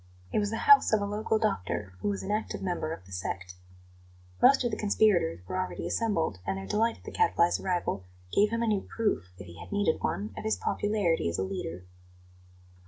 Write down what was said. It was the house of a local doctor, who was an active member of the "sect." Most of the conspirators were already assembled, and their delight at the Gadfly's arrival gave him a new proof, if he had needed one, of his popularity as a leader.